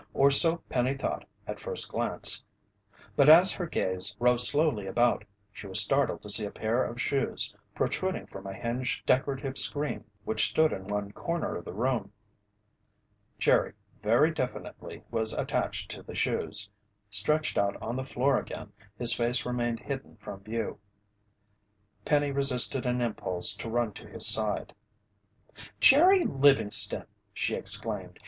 Or so Penny thought at first glance. But as her gaze roved slowly about, she was startled to see a pair of shoes protruding from a hinged decorative screen which stood in one corner of the room. Jerry, very definitely was attached to the shoes. Stretched out on the floor again, his face remained hidden from view. Penny resisted an impulse to run to his side. "Jerry Livingston!" she exclaimed.